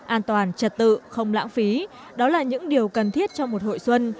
an toàn trật tự không lãng phí đó là những điều cần thiết cho một hội xuân